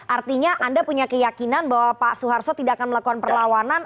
artinya anda punya keyakinan bahwa pak soeharto tidak akan melakukan perlawanan